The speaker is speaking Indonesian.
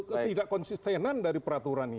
ketidak konsistenan dari peraturan ini